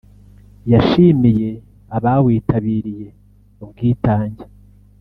yashimiye abawitabiriye ubwitange